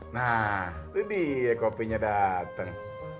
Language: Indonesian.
nah itu dia kopinya datang